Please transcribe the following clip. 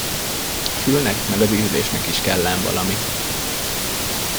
A fülnek meg az ízlésnek is kell ám valami!